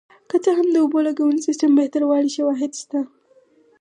که څه هم د اوبو لګونې سیستم بهتروالی شواهد شته